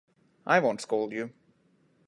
I won’t scold you.